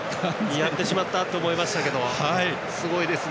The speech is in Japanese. やってしまったと思いましたがすごいですね。